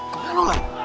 kamu kenapa lam